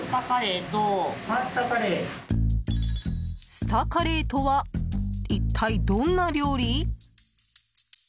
スタカレーとは一体どんな料理？